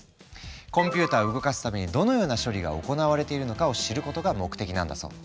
コンピューターを動かすためにどのような処理が行われているのかを知ることが目的なんだそう。